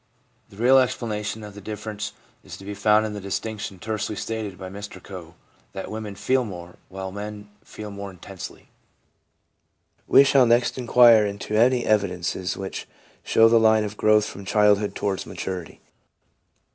The real explanation of the differ ence is to be found in the distinction tersely stated by Mr Coe that ' women feel more, while men feel more intensely.' We shall next inquire into any evidences which show the line of growth from childhood towards maturity.